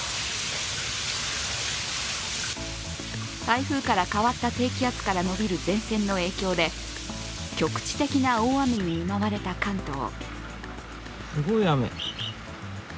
台風から変わった低気圧から延びる前線の影響で局地的な大雨に見舞われた関東。